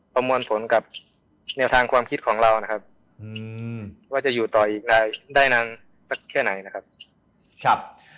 ประมวลผลกับแนวทางความคิดของเรานะครับว่าจะอยู่ต่ออีกได้นานสักแค่ไหนนะครับ